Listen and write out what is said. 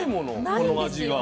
この味が。